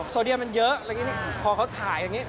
โซเดียมมันเยอะพอเขาถ่ายอย่างนี้